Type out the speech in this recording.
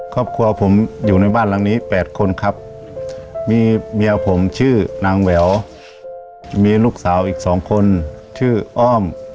ครอบครัวผมอยู่ในบ้านหลังนี้๘คนครับมีเมียผมชื่อนางแหววมีลูกสาวอีก๒คนชื่ออ้อม